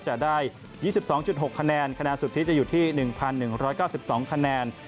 จะได้๒๒๖คะแนนคะแนนสุทธิจะอยู่ที่๑๑๙๒คะแนน